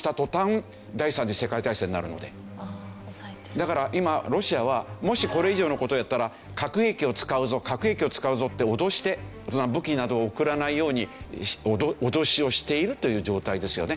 だから今ロシアは「もしこれ以上の事をやったら核兵器を使うぞ核兵器を使うぞ」って脅して武器などを送らないように脅しをしているという状態ですよね。